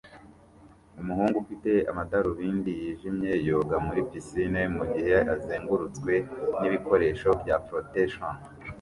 Umuhungu ufite amadarubindi yijimye yoga muri pisine mugihe azengurutswe nibikoresho bya flotation